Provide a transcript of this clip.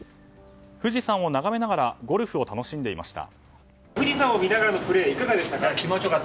富士山を眺めながらゴルフを楽しんでいました。